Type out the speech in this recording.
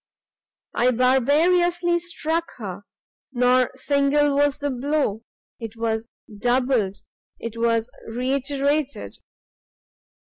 I barbarously struck her! nor single was the blow! it was doubled, it was reiterated!